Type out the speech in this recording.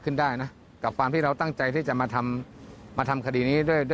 เกิดขึ้นได้นะกับความที่เราตั้งใจที่จะมาทำคดีนี้